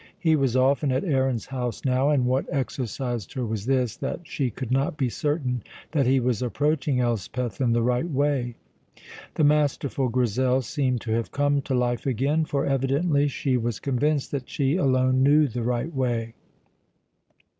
He was often at Aaron's house now, and what exercised her was this that she could not be certain that he was approaching Elspeth in the right way. The masterful Grizel seemed to have come to life again, for, evidently, she was convinced that she alone knew the right way.